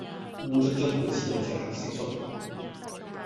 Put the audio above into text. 烏卒卒好似一隻黑蟋蟀